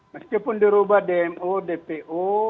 meskipun dirubah dmo dpo